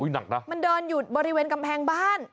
หนักนะมันเดินอยู่บริเวณกำแพงบ้าน